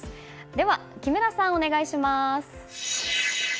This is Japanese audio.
では木村さん、お願いします。